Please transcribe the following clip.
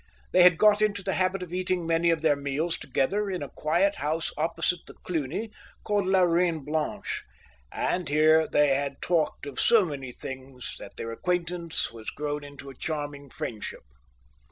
They had got into the habit of eating many of their meals together in a quiet house opposite the Cluny called La Reine Blanche, and here they had talked of so many things that their acquaintance was grown into a charming friendship.